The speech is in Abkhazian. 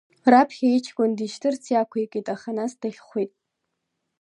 Раԥхьа иҷкәын дишьҭырц иақәикит, аха нас дахьхәит.